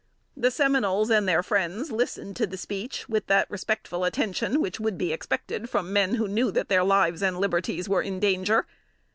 The Seminoles and their friends listened to the speech with that respectful attention which would be expected from men who knew their lives and liberties were in danger.